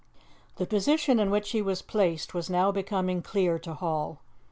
The position in which he was placed was now becoming clear to Hall.